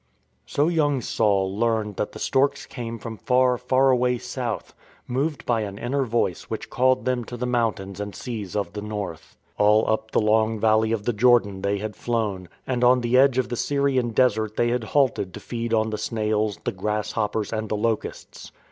So young Saul learned that the storks came from far, far away South, moved by an inner Voice which called them to the mountains and seas of the North. All up the long valley of the Jordan they had flown, and on the edge of the Syrian desert they had halted to feed on the snails, the grasshoppers, and the locusts.